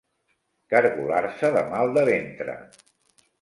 Cargolar-se de mal de ventre.